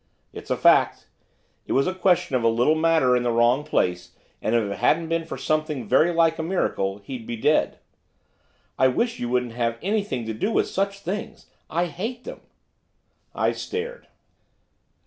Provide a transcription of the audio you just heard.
'It's a fact. It was a question of a little matter in a wrong place, and, if it hadn't been for something very like a miracle, he'd be dead.' 'I wish you wouldn't have anything to do with such things I hate them.' I stared.